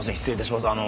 失礼いたします。